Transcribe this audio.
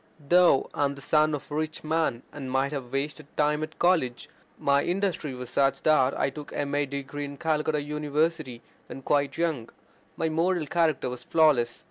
Though I am the son of a rich man, and might have wasted time at college, my industry was such that I took my M.A. degree in Calcutta University when quite young. My moral character was flawless.